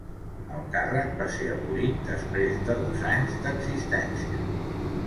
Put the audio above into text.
El càrrec va ser abolit després de dos anys d'existència.